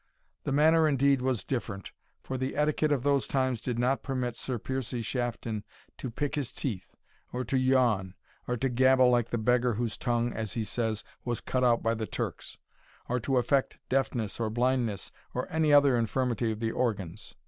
The manner indeed was different, for the etiquette of those times did not permit Sir Piercie Shafton to pick his teeth, or to yawn, or to gabble like the beggar whose tongue (as he says) was cut out by the Turks, or to affect deafness or blindness, or any other infirmity of the organs.